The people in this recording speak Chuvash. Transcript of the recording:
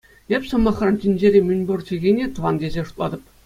Эп, сӑмахран, тӗнчери мӗнпур чӗлхене "тӑван" тесе шутлатӑп.